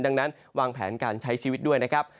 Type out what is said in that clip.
ดังนั้นวางแผนการใช้ชีวิตด้วยนะครับ